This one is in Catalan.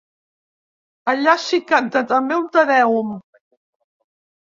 Allà s'hi canta també un tedèum.